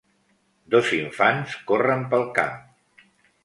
Dos infants corren pel camp.